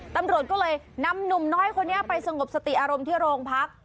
ตำรวจก็เลยนำหนุ่มน้อยคนนี้ไปสงบสติอารมณ์ที่โรงพัก